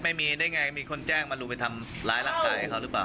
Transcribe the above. ไม่มีได้ไงมีคนแจ้งมารู้ไปทำร้ายร่างกายเขาหรือเปล่า